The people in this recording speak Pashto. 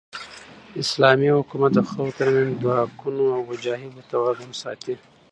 اسلامي حکومت د خلکو تر منځ د حقونو او وجایبو توازن ساتي.